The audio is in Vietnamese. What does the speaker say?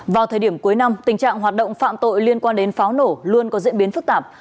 vào thời điểm cuối năm tình trạng hoạt động phạm tội liên quan đến pháo nổ luôn có diễn biến phức tạp